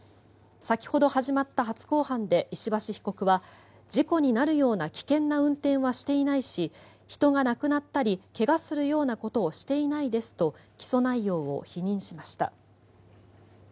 先ほど始まった初公判で石橋被告は事故になるような危険な運転はしていないし人が亡くなったり怪我するようなことをしていないですと起訴内容を否認しました。